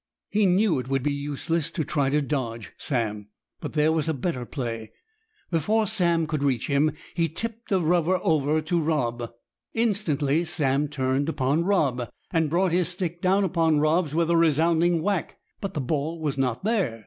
He knew it would be useless to try to dodge Sam. But there was a better play. Before Sam could reach him he tipped the rubber over to Rob. Instantly Sam turned upon Rob, and brought his stick down upon Rob's with a resounding whack. But the ball was not there.